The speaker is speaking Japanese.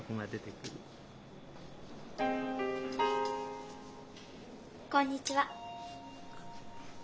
あっこんにちは。